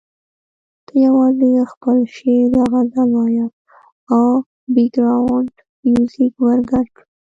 ته یوازې خپل شعر یا غزل وایه او بېکګراونډ میوزیک ورګډ کړه.